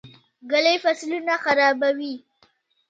ږلۍ فصلونه خرابوي.